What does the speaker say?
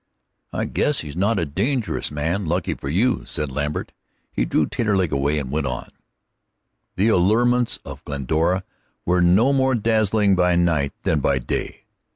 "I guess he's not a dangerous man lucky for you," said Lambert. He drew Taterleg away; they went on. The allurements of Glendora were no more dazzling by night than by day.